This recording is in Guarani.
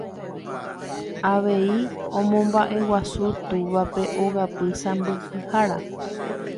Avei omombaʼeguasu túvape ogapy sãmbyhára.